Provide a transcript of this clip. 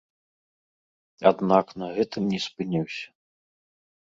Аднак на гэтым не спыніўся.